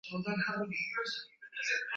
jinai dhidi ya haki za kibinadamu zilitendwa